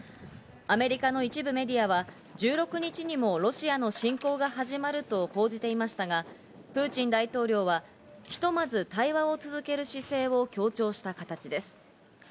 アメリカの一部メディアは、１６日にもロシアの侵攻が始まると報じていましたが、プーチン大統領はひとまず会話を続ける姿勢を強調した形です。